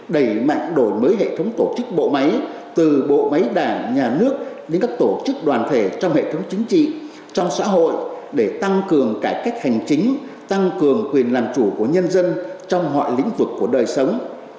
đẩy mạnh đổi mới hệ thống tổ chức bộ máy từ bộ máy đảng nhà nước đến các tổ chức đoàn thể trong hệ thống chính trị trong xã hội để tăng cường cải cách hành chính tăng cường quyền làm chủ của nhân dân trong mọi lĩnh vực của đời sống